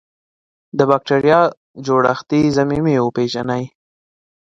د بکټریا جوړښتي ضمیمې وپیژني.